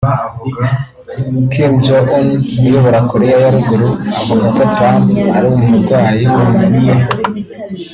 Kim Jon un uyobora Koreya ya Ruguru avuga ko Trump ari umurwayi wo mu mutwe